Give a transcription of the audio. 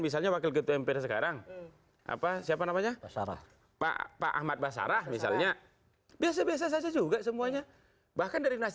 iya tidak ditemukan